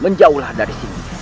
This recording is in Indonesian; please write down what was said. menjauhlah dari sini